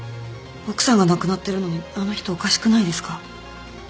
奥さんが亡くなってるのにあの人おかしくないですか？